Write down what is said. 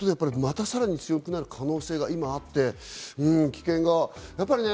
またさらに強くなる可能性が今あって、危険がやっぱりね。